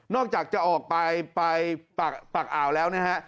อกจากจะออกไปปากอ่าวแล้วนะฮะ